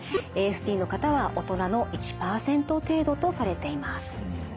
ＡＳＤの方は大人の１％程度とされています。